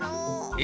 え？